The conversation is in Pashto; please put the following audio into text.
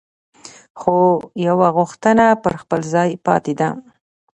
خو یوه غوښتنه پر خپل ځای پاتې ده.